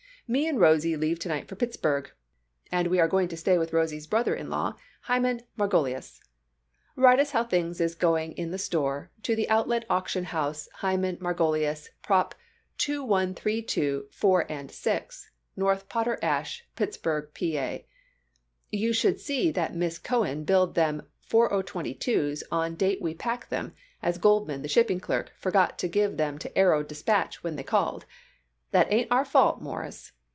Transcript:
Me and Rosie leave tonight for Pittsburg and we are going to stay with Rosies brother in law Hyman Margolius. Write us how things is going in the store to the Outlet Auction House Hyman Margolius prop 2132 4 & 6 North Potter Ave Pittsburg Pa. You should see that Miss Cohen billed them 4022s on date we packed them as Goldman the shipping clerk forgot to give them to Arrow Dispatch when they called. That ain't our fault Morris.